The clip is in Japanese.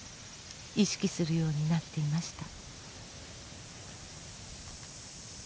意識するようになっていました。